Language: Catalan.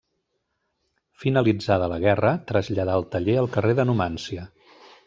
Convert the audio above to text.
Finalitzada la guerra, traslladà el taller al carrer de Numància.